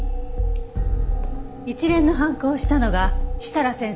一連の犯行をしたのが設楽先生である事も。